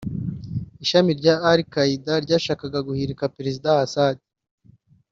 ishami rya al-Qaeda ryashakaga guhirika Perezida Assad